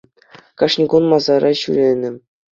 Кашни кун масара ҫӳренӗ